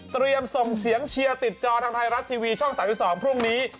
ส่งเสียงเชียร์ติดจอทางไทยรัฐทีวีช่อง๓๒พรุ่งนี้